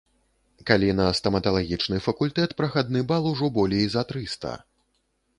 Калі на стаматалагічны факультэт прахадны бал ужо болей за трыста.